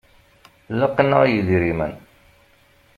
Laqen-aɣ yidrimen.